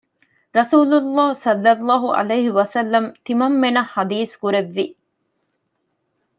ރަސޫލު ﷲ ﷺ ތިމަންމެންނަށް ޙަދީޘް ކުރެއްވި